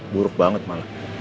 buruk banget malah